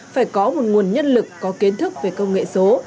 phải có một nguồn nhân lực có kiến thức về công nghệ số